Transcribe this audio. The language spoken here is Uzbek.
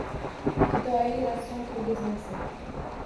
Fidoyi rassom ko‘rgazmasi